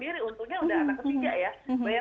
jadi benar benar belajar ke atas